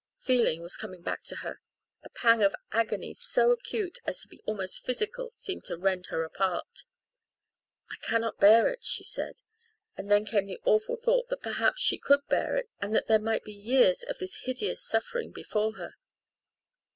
Feeling was coming back to her a pang of agony so acute as to be almost physical seemed to rend her apart. "I cannot bear it," she said. And then came the awful thought that perhaps she could bear it and that there might be years of this hideous suffering before her.